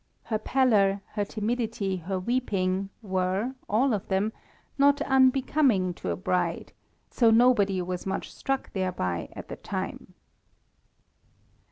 Her pallor, her timidity, her weeping, were, all of them, not unbecoming to a bride, so nobody was much struck thereby at the time.